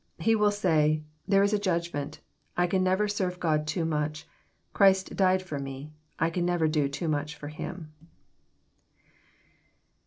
He will say, " There is a judgment. I can never serve God too much. Christ died for me. I can never do too much for Him."